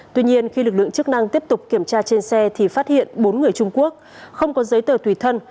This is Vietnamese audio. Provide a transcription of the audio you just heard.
tuy nhiên khi lực lượng chức năng tiếp tục kiểm tra trên xe thì phát hiện bốn người trung quốc không có giấy tờ tùy thân